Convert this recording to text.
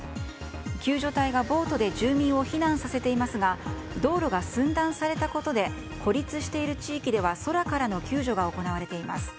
救助隊がボートで住民を避難させていますが道路が寸断されたことで孤立している地域では空からの救助が行われています。